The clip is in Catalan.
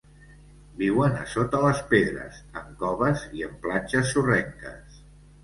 Viuen a sota les pedres, en coves i en platges sorrenques.